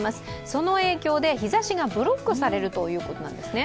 その影響で日ざしがブロックされるということなんですね。